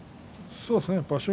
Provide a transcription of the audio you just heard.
そうですね場所